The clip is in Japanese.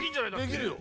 できるよ。